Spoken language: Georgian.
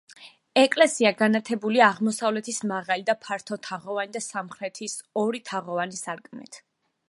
ეკლესია განათებულია აღმოსავლეთის მაღალი და ფართო თაღოვანი და სამხრეთის ორი თაღოვანი სარკმლით.